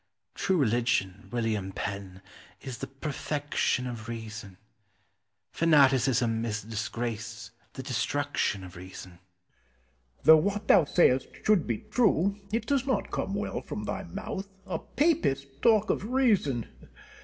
True religion, William Penn, is the perfection of reason; fanaticism is the disgrace, the destruction of reason. Penn. Though what thou sayest should be true, it does not come well from thy mouth. A Papist talk of reason!